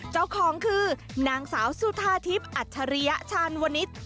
เจ้าของคือนางสาวสุธาทิพย์อัจฉริยชาญวนิษฐ์